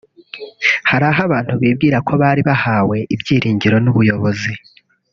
Hari aho abantu bibwira ko bari bahawe ibyiringiro n’ubuyobozi